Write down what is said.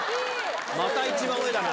また一番上だな。